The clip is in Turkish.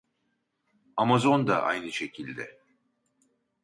Amazon da aynı şekilde